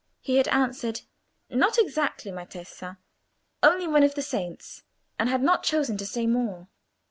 —he had answered, "Not exactly, my Tessa; only one of the saints," and had not chosen to say more.